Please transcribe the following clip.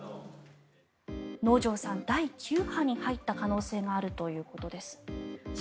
能條さん、第９波に入った可能性があるということです。